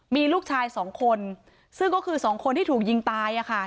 มีลูกชายสองคนซึ่งก็คือสองคนที่ถูกยิงตายอะค่ะ